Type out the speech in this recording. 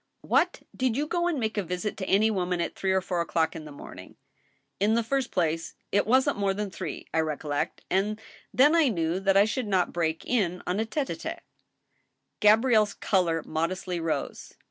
" What ! did you go and make a visit to any woman at three or four o'clock in the morning ?"" In the first place, it wasn't more than three. I recollect, and then I knew that I should not break in on a tete^^tite*^ Gabrielle's color modestly rose.